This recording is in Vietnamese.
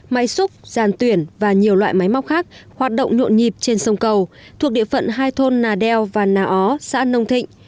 máy xúc giàn tuyển và nhiều loại máy móc khác hoạt động nhộn nhịp trên sông cầu thuộc địa phận hai thôn nà đeo và nà ó xã nông thịnh